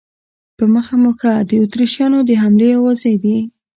په مخه مو ښه، د اتریشیانو د حملې آوازې دي.